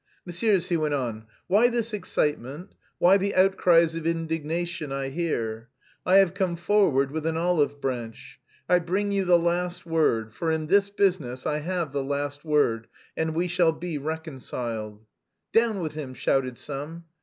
"Messieurs," he went on, "why this excitement, why the outcries of indignation I hear? I have come forward with an olive branch. I bring you the last word, for in this business I have the last word and we shall be reconciled." "Down with him!" shouted some.